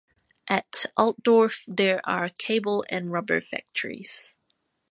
At Altdorf there are cable and rubber factories.